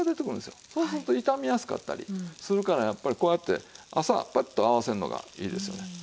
そうすると傷みやすかったりするからやっぱりこうやって朝パッと合わせるのがいいですよね。